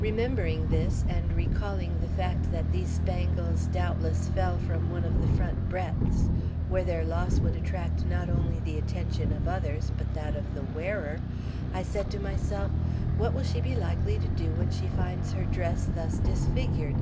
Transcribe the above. Remembering this, and recalling the fact that these spangles doubtless fell from one of the front breadths, where their loss would attract not only the attention of others, but that of the wearer, I said to myself, 'What will she be likely to do when she finds her dress thus disfigured?'